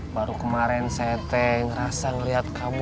baru kemarin saya teh ngerasa ngeliat kamu